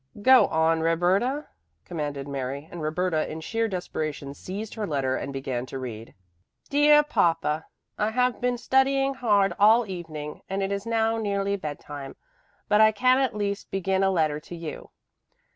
"Go on, Roberta!" commanded Mary, and Roberta in sheer desperation seized her letter and began to read. "DEAR PAPA: I have been studying hard all the evening and it is now nearly bedtime, but I can at least begin a letter to you.